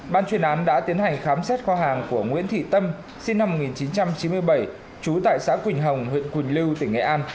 ban chuyên án đã tiến hành khám xét kho hàng của nguyễn thị tâm sinh năm một nghìn chín trăm chín mươi bảy trú tại xã quỳnh hồng huyện quỳnh lưu tỉnh nghệ an